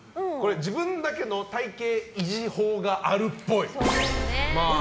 自分だけの体形維持法があるっぽい。